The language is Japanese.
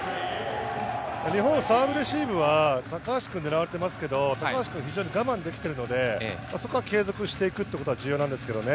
日本、サーブ、レシーブは高橋君が狙われていますが、我慢できているので、そこは継続していくことが重要なんですけどね。